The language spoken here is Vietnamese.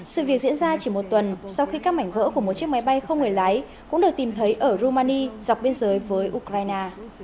sự việc diễn ra chỉ một tuần sau khi các mảnh vỡ của một chiếc máy bay không người lái cũng được tìm thấy ở rumani dọc biên giới với ukraine